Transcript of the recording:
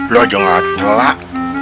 lo juga gak nyelak